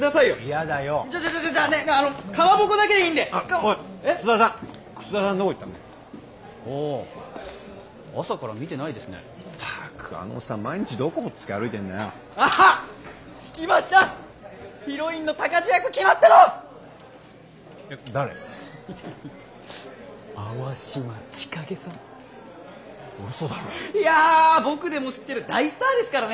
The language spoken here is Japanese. いや僕でも知ってる大スターですからね。